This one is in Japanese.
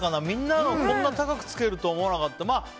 みんなこんなに高くつけるとは思わなかった。